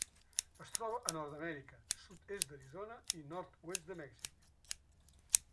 Es troba a Nord-amèrica: sud-est d'Arizona i nord-oest de Mèxic.